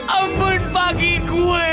ampun bagi gue